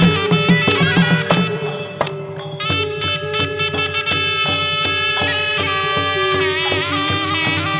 มีชื่อว่าโนราตัวอ่อนครับ